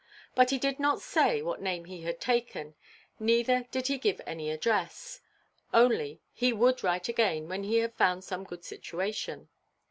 But he did not say what name he had taken, neither did he give any address; only he would write again when he had found some good situation.